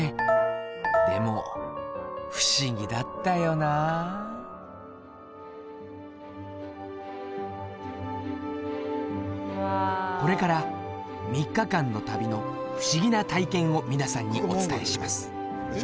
でも不思議だったよなこれから３日間の旅の不思議な体験を皆さんにお伝えします。